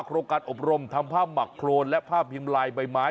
โครงการอบรมทำผ้าหมักโครนและผ้าพิมพ์ลายใบไม้